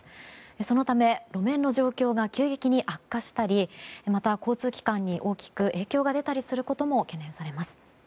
そのため路面の状況が急激に悪化したりまた交通機関に大きく影響が出たりすることも懸念されます。